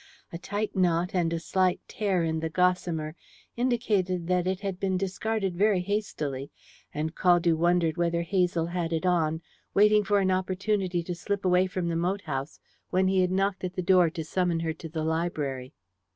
A tight knot and a slight tear in the gossamer indicated that it had been discarded very hastily, and Caldew wondered whether Hazel had it on, waiting for an opportunity to slip away from the moat house, when he had knocked at the door to summon her to the library.